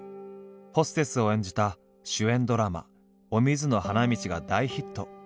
ホステスを演じた主演ドラマ「お水の花道」が大ヒット。